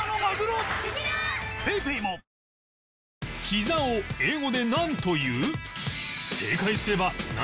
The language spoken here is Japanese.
「ひざ」を英語でなんという？